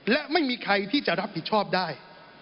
และไม่มีใครที่จะรับผิดชอบได้